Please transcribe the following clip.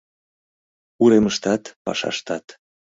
Уремыштат, пашаштат